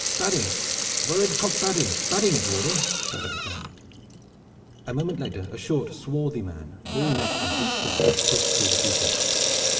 "Badding! Where is Cock Badding? Badding is warden!" shouted the crowd. A moment later a short swarthy man, bull necked and deep chested, pushed through the people.